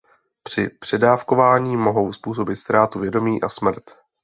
Při předávkování mohou způsobit ztrátu vědomí a smrt.